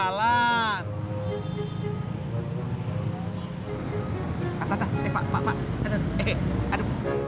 apamu nih pak brai